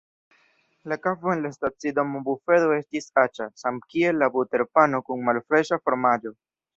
La kafo en la stacidoma bufedo estis aĉa, samkiel la buterpano kun malfreŝa fromaĝo.